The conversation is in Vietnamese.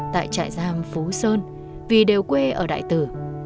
tại trại giam phú sơn vì đều quê ở đại tử